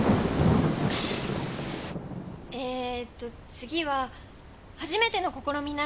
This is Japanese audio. えと次は初めての試み